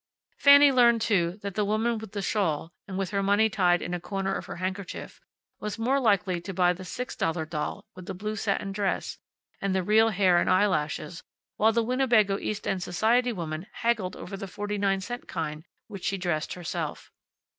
Fanny learned, too, that the woman with the shawl, and with her money tied in a corner of her handkerchief, was more likely to buy the six dollar doll, with the blue satin dress, and the real hair and eye lashes, while the Winnebago East End society woman haggled over the forty nine cent kind, which she dressed herself.